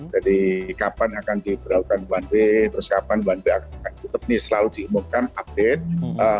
jadi kapan akan diperlakukan one way terus kapan one way akan ditutup ini selalu diumumkan update